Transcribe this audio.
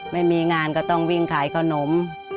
ไม่มีงานก็ต้องวิ่งขายขนม